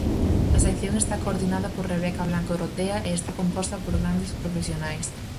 A Sección está coordinada por Rebeca Blanco Rotea e está composta por grandes profesionais.